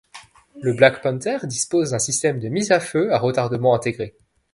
Le Black Panther dispose d'un système de mise à feu à retardement intégré.